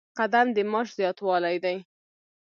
قدم د معاش زیاتوالی دی